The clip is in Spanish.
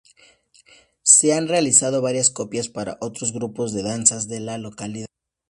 Se han realizado varias copias para otros grupos de danzas de la localidad.